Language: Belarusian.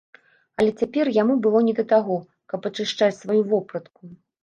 Але цяпер яму было не да таго, каб ачышчаць сваю вопратку.